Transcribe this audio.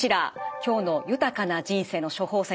今日の豊かな人生の処方せんでした。